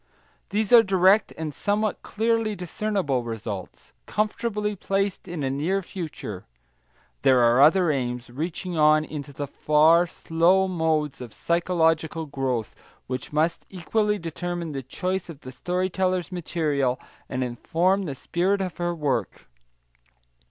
These are direct and somewhat clearly discernible results, comfortably placed in a near future. There are other aims, reaching on into the far, slow modes of psychological growth, which must equally determine the choice of the story teller's material and inform the spirit of her work.